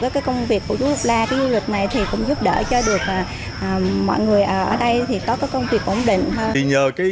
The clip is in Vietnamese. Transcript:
cái công việc của chú lục la cái du lịch này thì cũng giúp đỡ cho được mọi người ở đây thì có công việc ổn định hơn